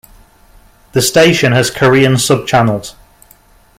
The Station Has Korean Subchannels.